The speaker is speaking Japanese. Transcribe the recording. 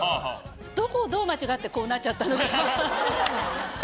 どこをどう間違ってこうなっちゃったのか。